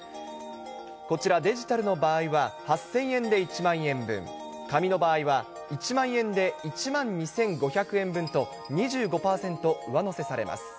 こちら、デジタルの場合は８０００円で１万円分、紙の場合は１万円で１万２５００円分と、２５％上乗せされます。